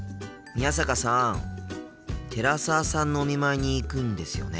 寺澤さんのお見舞いに行くんですよね？